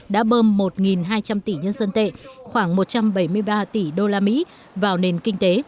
đã bơm một hai trăm linh tỷ nhân dân tệ khoảng một trăm bảy mươi ba tỷ usd vào nền kinh tế